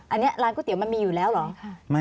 อันนี้ร้านก๋วเตี๋ยมันมีอยู่แล้วเหรอ